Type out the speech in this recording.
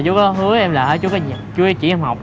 chú hứa em là chú chỉ em học